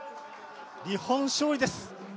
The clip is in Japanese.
日本勝利です。